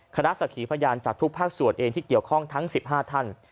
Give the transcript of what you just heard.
สักขีพยานจากทุกภาคส่วนเองที่เกี่ยวข้องทั้ง๑๕ท่าน